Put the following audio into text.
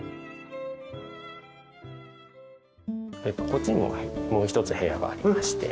こっちにももう一つ部屋がありまして。